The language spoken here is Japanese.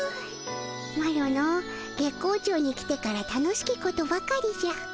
マロの月光町に来てから楽しきことばかりじゃ。